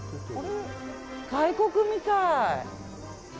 外国みたい。